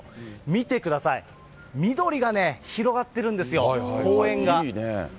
見てください、緑がね、広がってるんですよ、公園が。